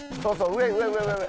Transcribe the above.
上上上上上！